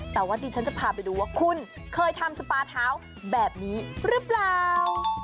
แต่ว่าดิฉันจะพาไปดูว่าคุณเคยทำสปาเท้าแบบนี้หรือเปล่า